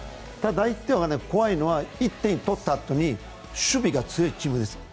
１つ怖いのは１点を取ったあとに守備が強いチームです。